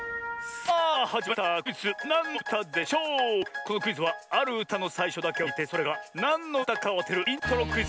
このクイズはあるうたのさいしょだけをきいてそれがなんのうたかをあてるイントロクイズ。